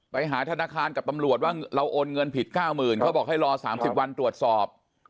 ไปหาธนาคารกับตำรวจว่าเราโอนเงินผิด๙๐๐เขาบอกให้รอ๓๐วันตรวจสอบ